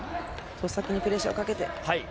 先にプレッシャーをかけて。